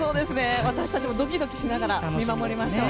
私たちもドキドキしながら見守りましょう。